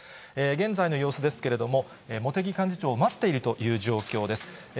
現在の様子ですけれども、茂木幹事長を待っているという状況です。